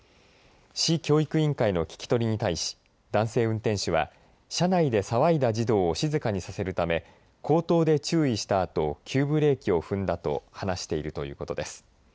市教育委員会の聞き取りに対し男性運転手は車内で騒いだ児童を静かにさせるため口頭で注意したあと急ブレーキを踏んだと話しているということです。